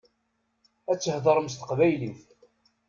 Ad theḍṛem s teqbaylit.